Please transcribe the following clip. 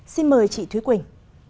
xin mời chị thúy quỳnh